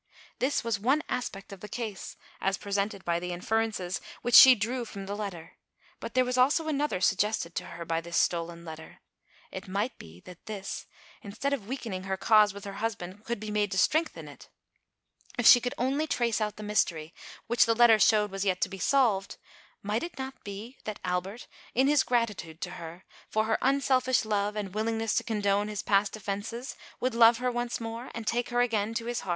This was one aspect of the case, as presented by the inferences, which she drew from the letter. But there was also another sug gested to her by this stolen letter. It might be that this, instead of weakening her cause with her husband, could be made to strengthen it. If she could only trace out the mystery, which the letter showed was yet to be solved, might it not be, that Albert, in his gratitude to her, for her unselfish love and willingness to condone his past offences, would love her once more and take her again to his Jieart